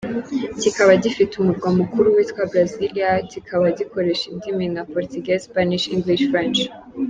Kikaba gifite umurwa mukuru witwa Brasilia, kikaba gikoresha indimi nka Portuguese, Spanish, English, French.